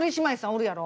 おるやろ？